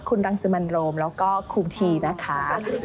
คุณรังสิมันโรมแล้วก็คุมทีนะคะ